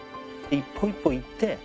一歩一歩行って。